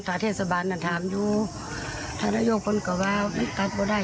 ท่าเทศสัมภาณน่ะถามอยู่ธนโยคคนก็ว่านี่ตัดไม่ได้